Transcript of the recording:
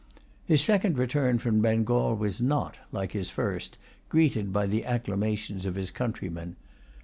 His second return from Bengal was not, like his first, greeted by the acclamations of his countrymen.